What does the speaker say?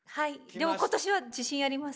でも今年は自信あります。